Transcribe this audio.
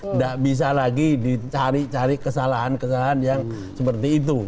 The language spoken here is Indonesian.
tidak bisa lagi dicari cari kesalahan kesalahan yang seperti itu